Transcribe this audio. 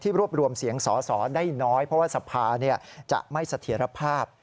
รวบรวมเสียงสอสอได้น้อยเพราะว่าสภาจะไม่เสถียรภาพ